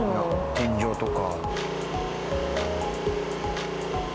天井とか。